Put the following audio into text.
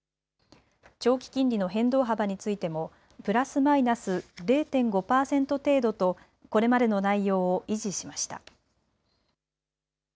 長期金利の変動幅についてもプラスマイナス０．５％程度とこれまでの内容を維持しました。